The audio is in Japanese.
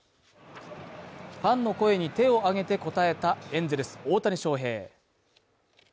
ファンの声に手を挙げて応えたエンゼルス大谷翔平